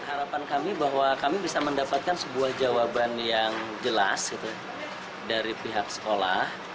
harapan kami bahwa kami bisa mendapatkan sebuah jawaban yang jelas dari pihak sekolah